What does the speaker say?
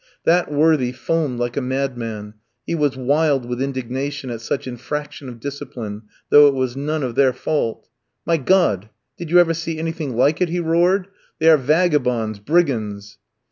That worthy foamed like a madman; he was wild with indignation at such infraction of discipline, though it was none of their fault. "My God! did you ever see anything like it?" he roared; "they are vagabonds, brigands."